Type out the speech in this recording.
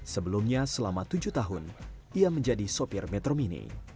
sebelumnya selama tujuh tahun ia menjadi sopir metro mini